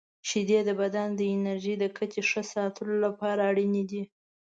• شیدې د بدن د انرژۍ د کچې ښه ساتلو لپاره اړینې دي.